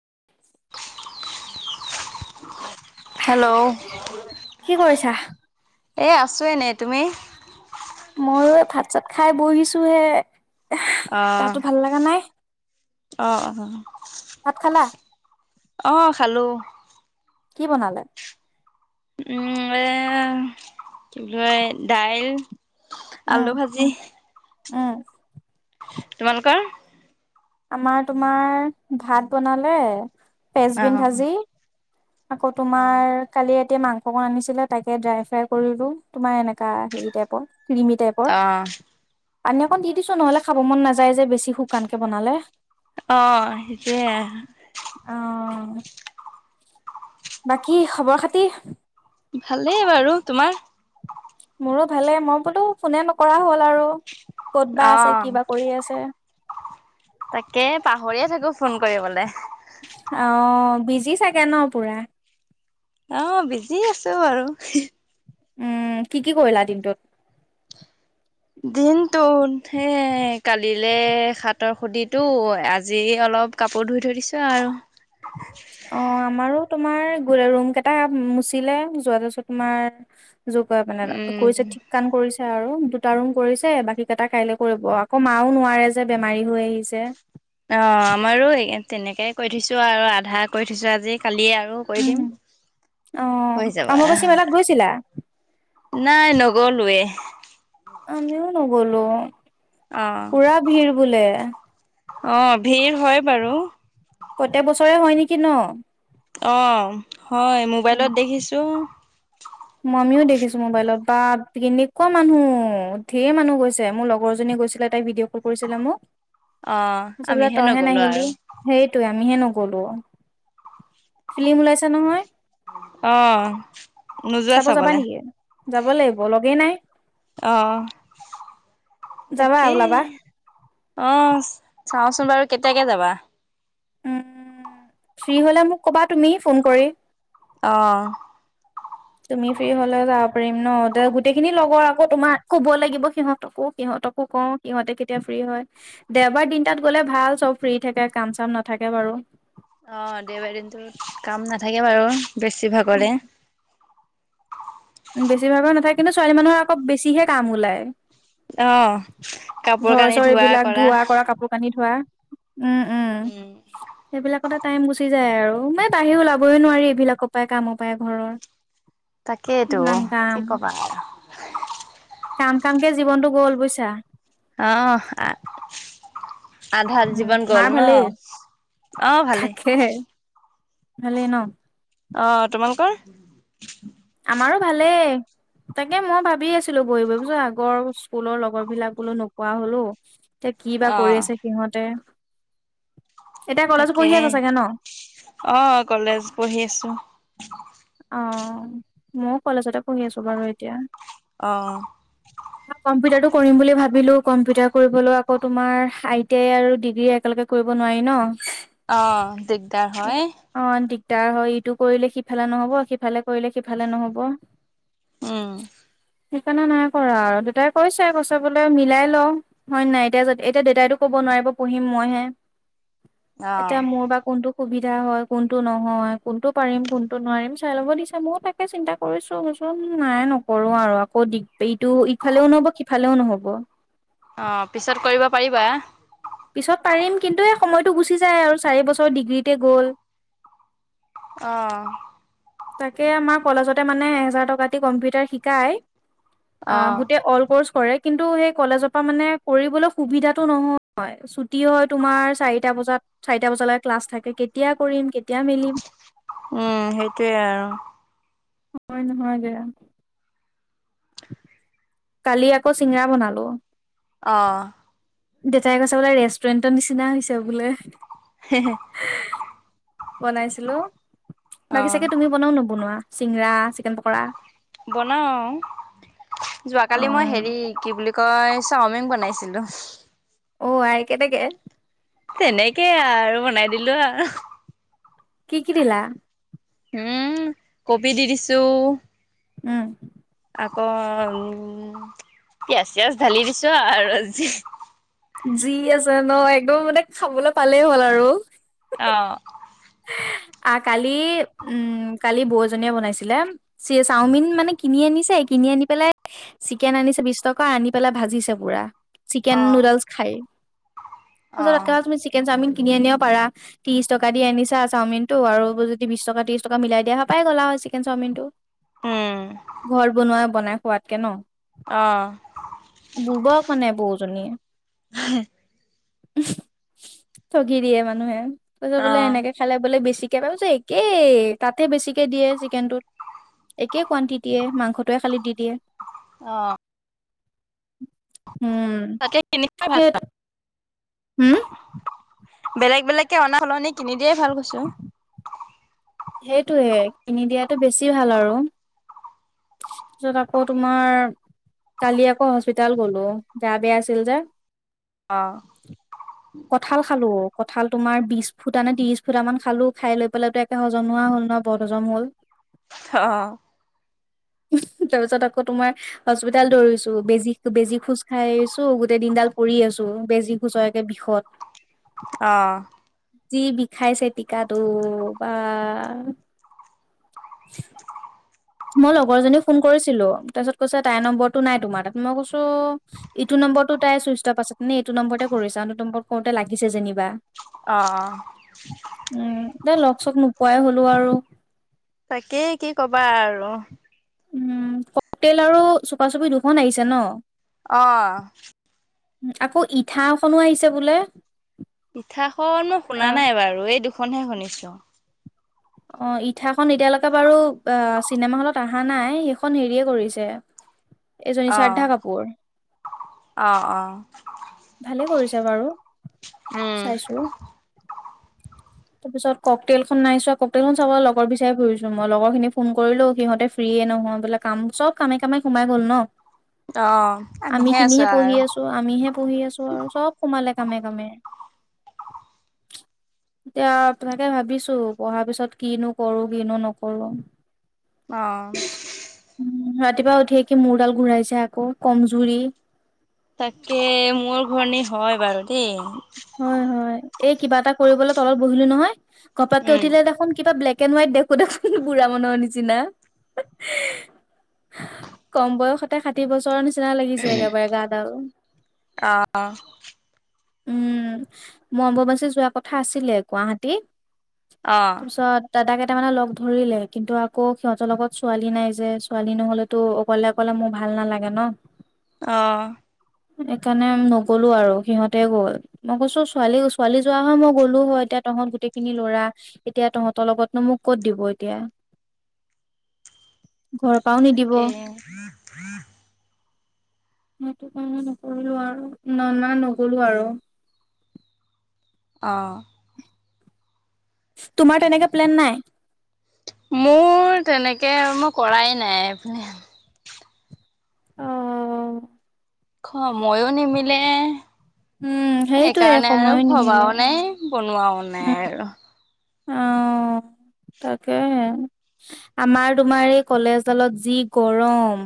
[inaudible] Hello [unintelligible] এ আছো এনেই। তুমি? ময়ো ভাত চাত খাই বহিছো হে। অ গাটো ভাল লগা নাই। অ ভাত খালা? অঁ খালো। কি বনালে? উম এ কি বুলি কয় দাইল উম, আলু ভাজি উম। তোমালোকৰ? আমাৰ তোমাৰ ভাত বনালে। অ পেচবিন ভাজি আকৌ অ তোমাৰ কালি তেতিয়া মাংস অকন আনিছিলে তাকে ড্ৰাই ফ্ৰাই কৰিলো। তোমাৰ এনেকা হেৰি টাইপত ক্ৰিমি টাইপৰ। পানী অকণ দি দিছো নহলে খাব মন নাযায় যে বেছি শুকানকে বনালে। অ সেইটোৱে। [unintelligible] বাকী খবৰ খাতি? ভালেই বাৰু। তোমাৰ? মোৰো ভালে। মই বোলো ফোনে নকৰা হ'ল আৰু। ক'ত বা অ আছে কিবা কৰি আছে। তাকে পাহৰিয়ে থাক কো ফোন কৰিবলে। অ বিজি চাগে ন পুৰা? অ বিজি আছো বাৰু। উম কি-কি কৰিলা দিনটোত? দিনটোত সেই কালিলে সাতৰ সুদিতো আজি অলপ অলপ কাপোৰ ধুই থৈ দিছো আৰু। অ আমাৰো তোমাৰ গ ৰুম কেইটা মুচিলে যোৱা যছত তোমাৰ যোৰ কে পিনে কৰিছে উম ঠিক কান কৰিছে আৰু। দুটা ৰুম কৰিছে। বাকী কেইটা কাইলৈ কৰিব। আকৌ মাও নোৱাৰে যে বেমাৰী হৈ আহিছে। অ আমাৰো তেনেকে কৰি থৈছো আৰু আধা কৰি থৈছো আজি। কালিয়ে আৰু কৰি উম। দিম, অ', হৈ যাব। অম্বুবাচী মেলাত গৈছিলা? নাই নগলোৱে। আমিও নগলো। অ পুৰা ভিৰ বোলে। অ ভিৰ হয় বাৰু। প্ৰত্যেক বছৰে হয় নেকি ন? অ, হয় উম মোবাইলত দেখিছো। মই আমিও দেখিছো মোবাইলত বাপ কেনেকোৱা মানুহ, ধেৰ মানুহ গৈছে মোৰ লগৰ জনী গৈছিলে ভিডিঅ বোৰ কৰিছিল মুক, অ তাৰপিছত বোলে আমিহে তইহে নগলো আৰু নাহিলি সেইটোৱে আমিহে নগলো। ফিলি্ম ওলাইছে নহয় আহ চাব যাবা নেকি যাব লাগিব লগেই নাই আহ যাবা তাকেই ওলাবা আহ। চাওঁচোন বাৰু কেতিয়াকে যাবা? উ ফ্ৰী হলে মোক ক'বা তুমি ফোন কৰি আহ তুমি ফ্ৰী হলে যাব পাৰিম ন দে গোটেই খিনি লগৰ আকৌ তোমাৰ ক'ব লাগিব সিহঁত আকো সিহঁত সিহঁতকো কওঁ সিহঁতে কেতিয়া ফ্ৰী হয়। দেওবাৰ দিনটাত গ'লে ভাল চব ফ্ৰী থাকে কাম চাম নাথাকে বাৰ আৰু অ দেবাৰদিনতো কাম নাথাকে বাৰু বেছিভাগৰে বেছিভাগৰ নাথাকে কিন্তু ছোৱালী মানুহৰ আকৌ বেছিহে কাম ওলায়। অ কাপোৰ ঘৰ কানি চৰ ধোৱা এইবিলাক ধোৱা কৰা কাপোৰ কানি ধোৱা উম উম সেইবিলাকতে। টাইম গুচি যায় আৰু মানে বাহিৰ ওলাবই নোৱাৰি এইবিলাকৰ পায় কামৰ পায় ঘৰৰ তাকেইতটো ইমান কাম কি কবা কাম কাম কে জীৱনতটো গ'ল বুইছা অ আহ আধাৰ উম জীৱন মাৰ গল ন। ভালেই। অ ভালে। ভাল ন আহ তোমালোকৰ মাৰো ভালেই তাকে মই ভাবি আছিলো বহি বহি বুছো আগৰ স্কুলৰ লগৰ বিলাক বোলো নোপোৱা হলো। [unintelligible] এতিয়া কি বা অহ কৰি আছে সিহঁতে এতিয়া কলেজত তাকে পঢ়ি আছা চাগে ন আহ কলেজ পঢ়ি আছো অ ময়ো কলেজতে পঢ়ি আছো বাৰু এতিয়া অহ কম্পিউটাৰটো কৰিম বুলি ভাবিলো কম্পিউটাৰ কৰিবলৈ আকৌ তোমাৰ আই টি আই আৰু ডিগ্ৰী একেলগে কৰিব নোৱাৰি ন। অ দিগদাৰ হয়। তাৰ হয় ইটো কৰিলে সিফালে নহব সিফালে কৰিলে সিফালে নহব উম, [inaudible] সেইকাৰণে নাই কৰা আৰু দেউতাই কৈছে গ বোলে মিলাই ল। হয় নাই এতিয়া এতিয়া দেউতাইতো ক'ব নি ন পঢিম মই হে অহ এতিয়া মোৰ বা কোনটো সুবিধা হয়, কোনটো নহয়, কোনটো পাৰিম, কোনটো নোৱাৰিম। চাই লব দিছে মইও তাকে চিন্তা কৰিছোচোন নাই নকৰো আৰু আকৌ এইটো ইফালেও ন [unintelligible] সিফালেও নহ'ব অ পিছত কৰিব পাৰিবা পিছত পাৰিম কিন্তু এই সময়তটো গুচি যায় আৰু চাৰি বছৰ ডিগ্ৰীতে গ'ল আহ তাকে আমাৰ কলেজতে মানে এহেজাৰ টকা দি কম্পিউটাৰ শিকায় অ অহ, গোটেই অল কৰ্চ কৰে কিন্তু সেই কলেজৰ পৰা মানে কৰিবলৈ সুবিধাটো নহয়। ছুটি হয় তোমাৰ চাৰিটা বজাত চাৰিটা বজালৈ ক্লাছ থাক কেতিয়া কৰিম কেতিয়া মেলিম উম সেইটোয়ে আৰু নহয় নহয় দিয়া। কালি আকৌ চিঙৰা বনালো আহ দেউতাই কৈছে বোলে ৰেষ্টুৰেণ্টৰ নিচিনা হৈছে বোলে। [unintelligible] বনাইছিলো। বাকী অহ চাগে তুমি বনাও নবনোৱা চিংৰা, চিকেন পকৰা। অ', কালি মই অ', হেৰি কি বুলি কয় চাওমিন বনাইছিলো। অ', আই কেনেকে? তেনেকেই আৰু বনাই দিলো আৰু কি কি দিলা? উম, কবি দি দিছো উম আকৌ উম পিয়াজ -চিয়াজ ঢালি দিছো আৰু যি আছে ন' একদম মানে খাবলৈ পালেই হ'ল আৰু অহ। [unintelligible] আ, কালি উম কালি বৌএজনীয়ে বনাইছিলে চাওমিন মানে কিনি আনিছে কিনি আনি পেলাই চিকেন আনিছে বিচ টকা আনি পেলাই ভাজিছে পুৰা। চিকেন অ -নুডেলছ খাই। [unintelligible] তুমি চিকেন চাওমিন কিনি আনিব পাৰা ত্ৰিশ টকা দি আনিছ [unintelligible] চাওমিনটো আৰু যদি বিছ টকা- ত্ৰিছ টকা মিলাই দিয়া হয় পাই গ'লা হয় চিকেন চাওমিনটো। উম ঘৰত বনোৱাই বনাই খোৱাতকে ন', অ বোৰ্বক মানে বৌজনীয়ে [unintelligible] ঠগি দিয়ে মানুহে তাৰপিছত অ বোলে এনেকে খালে বোলে বেছিকে [unintelligible] একেই তাতে বেছিকে দিয়ে চিকেনটোত। একে কোৱানটিটেয়ে মাংসটোৱে খালি দি দিয়ে। অহ উম, তাকে কিনি খাই ভাল সেয়েটো হম বেলেগ -বেলেগকে অনা সলনি কিনি দিয়ে ভাল কৈছো। সেইটোহে কিনি দিয়াতো বেছি ভাল আৰু। পিছত আকৌ তোমাৰ কালি আকৌ হস্পিতাল গ'লো গা বেয়া আছিল যে। অ [inaudible] কঠাল খালো, কত কঁঠাল তোমাৰ বিছ ফুটা নে ত্ৰিশ ফুটামান খালো, খাই লৈ পেলাইতো একে হজম নোহোৱা হ'ল নহ‌য় বদ হজম হ'ল। অহ [unintelligible] তাৰ পিছত আকৌ তোমাৰ হস্পিতাল দৌৰিছো বেজি -বেজি খোচ খাই আহিছো। গোটেই দিনডাল পৰি আছো বেজী খোচয়কে বিষত। অহ যি বিষাইছে টিকাটো। বা মই লগৰ জনী ফোন কৰিছিলো তাৰপিছত কৈছে তাইৰ নম্বৰটো নাই তোমাৰ তাত মই কৈছো ত' ইটো নম্বৰতটো তাই চুইচ টফ আছে নে এইটো নম্বৰতে কৰি চাওঁ, এইটো নম্বৰত কওঁতে লাগিছে যেনিবা। অহ দা লগ- চগ নোপোৱাই হলো আৰু তাকে কি কবা আৰু। উম, ক'কতেল আৰু চুপা -চুপি দুখন আহিছে ন'? অহ আকৌ ইঠাখনো আহিছে বোলে? ইঠাখন মই শুনা অ নাই বাৰু এই দুখনহে শুনিছো। অহ, ইঠাখন এতিয়ালৈকে বাৰু বা চিনেমা হলত আহা নাই সেইখন হেৰিয়ে কৰিছে এইজনী শ্ৰদ্ধা কাপুৰ। অহ- অহ। ভালে কৰিছে বাৰু! উম চাইছোঁ। তাৰ পিছত, ককতেলখন নাই চোৱা। কক তেলখন চাব লগৰ বিচাৰি ফুৰিছোঁ মই, লগৰ খিনি ফোন কৰিলোঁ। সিহঁতে ফ্ৰী নিদিয়ে নহয় বোলে। কাম চব কামে, কামে সোমাই গ'ল ন'। অ আমি আমিহে আছো খিনিহে পঢ়ি আৰু আছোঁ। আমিহে পঢ়ি আছোঁ আৰু চব সোমালে। কামে, কামে। এতিয়া তাকে ভাবিছোঁ! পঢ়াৰ পিছত কিনো কৰোঁ কিনো নকৰোঁ। অ'! ৰাতিপুৱা উঠি কি! মূৰডাল ঘূৰাইছে আকৌ কমজুৰি। তাকে, মূৰঘৰনি হয় বাৰু হয় হয় দেই। এই কিবা এটা কৰিবলৈ তলত বহিলোঁ নহয়, ঘপককে উম উঠিলে দেখোন কিবা ব্লেক ব্লেক এণ্ড হোৱাইট দেখোঁ দেখোন বুঢ়া মানুহৰ নিচিনা। কম বয়সতে ষাঠি বছৰ নিচি নিচিনা লাগিছে একেবাৰে গা ডাল। অ', উম! মই অম্বুবাচী যোৱা কথা আছিলে গুৱাহাটী। অ', তাৰপাছত- দাদাক কেইটামানে লগ ধৰিলে। কিন্তু, আকৌ সিহঁতৰ লগত ছোৱালী নাই যে, ছোৱালী নহ'লেতো অকলে, অকলে মোৰ ভাল নালাগে ন'। অ'! সেইকাৰণে, নগ'লো আৰু সিহঁত তেঁও গ'ল। মই কৈছো, ছোৱালী, ছোৱালী যোৱা হৈ মই গ'লো হয়। এতিয়া তহঁত গোটেই খিনি ল'ৰা। এতিয়া তহঁত সিহঁতৰ লগতনো মোক ক'ত দিব এতিয়া। ঘৰৰ পৰাও নিদিব। তাকে [unintelligible] সেইটোকাৰণে, নকৰিলোঁ আৰু না নগ'লো আৰু। অ'! তোমাৰ তেনেকে প্লেন নাই? মোৰ তেনেকে আৰু মই কৰাই নাই। অঁ! সময়ো নিমিলে। উম, সেইটোয়ে সেইকাৰণে আৰু সময় নিমিলে ভবাওঁ নাই। বনোৱাও নাই আৰু। অঁ! তাকে, আমাৰ তোমাৰ, এই কলেজডালত যি গৰম।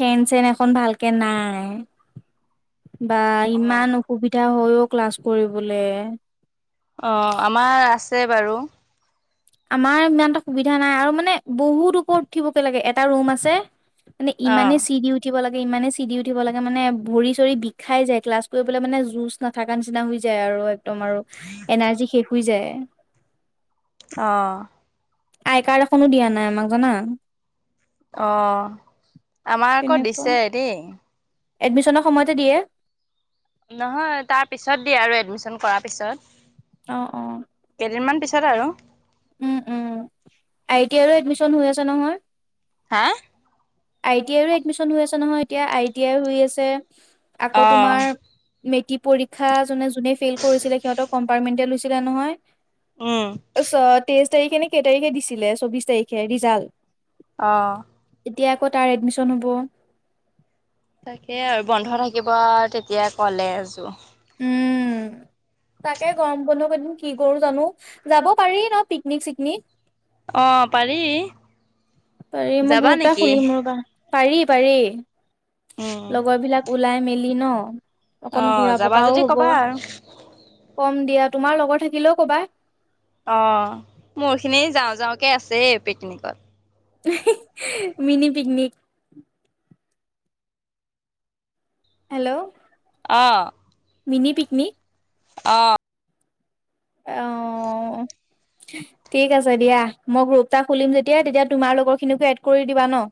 ফেন চেন এখন ভালকে নাই। বা! অ', ইমান অসুবিধা হয় অ'! ক্লাছ কৰিবলে। অ'! আমাৰ আছে বাৰু। আমাৰ ইমান এটা সুবিধা নাই আৰু মানে, বহুত ওপৰত উঠিবগে লাগে। এটা ৰুম আছে মানে, অ', ইমানে চিৰি উঠিব লাগে। ইমানে চিৰি উঠিব লাগে মানে, ভৰি চৰি বিষাই যায়। ক্লাছ কৰিবলে মানে, জ'চ নাথাকা নিচিনা হৈ যায় আৰু। তোমাৰো? এনাৰ্জি শেষ হৈ যায়। অ'! আই কাৰ্ড এখনো দিয়া নাই আমাক জানা। অ'! আমাৰ আকৌ দিছে দেই। এডমিছনৰ সময়তে দিয়ে? নহয়। তাৰ পিছত দিয়ে আৰু এডমিছন কৰাৰ পিছত। অ'! অ'! এদিনমান পিছত আৰু। উম! উম! আই টি আই ৰো এডমিছন হৈ আছে নহয়। হা! আই টি আইৰো এডমিছন হৈ আছে নহয়। এতিয়া, আই টি আই হৈ আছে। আকৌ, অ', তোমাৰ মেট্ৰিক পৰীক্ষা যোনে যোনে ফেইল কৰিছিলে, সিহঁত কম্পাৰ্টমেন্টেল লৈছিলে নহয়। উম, তেইশ তাৰিখে নে কেই তাৰিখে দিছিলে চৌবিশ তাৰিখে ৰিজাল্ট অহঁ এতিয়া আকৌ তাৰ এডমিশ্যন হ'ব তাকে আৰু বন্ধ থাকিব তেতিয়া ক'লে এযোৰ উম। তাকে গৰম বন্ধ কি কৰো জানোঁ যাব পাৰি নহঁ পিকনিক চিকনিক আহ পাৰি পাৰি মই যাবা গ্ৰুপ এটা নেকি? খুলিম ৰবা পাৰি পাৰি উম, লগৰ বিলাক ওলাই মেলি ন অকন অ', ঘূৰা যাবা যদি পকাও হ'ব ক'বা আৰু কম দিয়া তোমাৰ লগৰ থাকিলেও ক'বা। অ মোৰ খিনি যাওঁ যাওঁকে আছে পিকনিকত মিনি পিকনিক হেল্ল' অহঁ। মিনি পিকনিক অহঁ। অহঁ। ঠিক আছে দিয়া মই গ্ৰুপটা খুলিম যেতিয়াাই তেতিয়া তোমাৰ লগৰ খিনিকো এড কৰি দিবা ন [inaudible]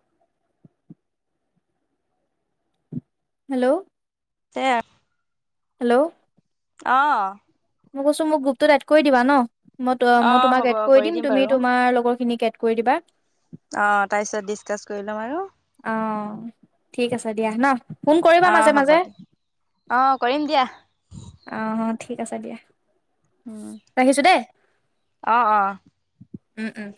হেল্ল' তেয় [unintelligible] হেল্ল' আহ মই কৈছো মোক গ্ৰুপত এড কৰি দিবা নহঁ মই মই অ', তোমাক হ'ব এড কৰি দিম তুমি বাৰু তোমাৰ লগৰ খিনিক এড কৰি দিবা অ তাৰ পিছত ডিচকাচ কৰি ল'ম আৰু অহঁ ঠিক আছে দিয়া নহঁ ফোন কৰিবা অ', মাজে হ'ব মাজে দিয়া অ', কৰিম দিয়া আহ ঠিক আছে দিয়া উম ৰাখিছো দেই অহঁ অহঁ উম উম